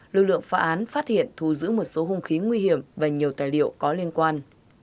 lực lượng phá án phát hiện thu giữ một số hung khí nguy hiểm và nhiều tài liệu có liên quan